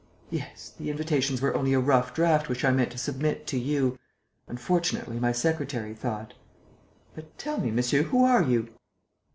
"Yes, the invitations were only a rough draft which I meant to submit to you. Unfortunately my secretary thought...." "But, tell me, monsieur, who are you?"